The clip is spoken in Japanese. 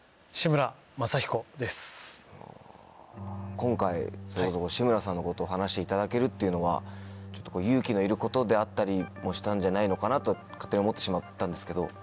今回志村さんのことを話していただけるっていうのはちょっと勇気のいることであったりもしたんじゃないのかなと勝手に思ってしまったんですけど。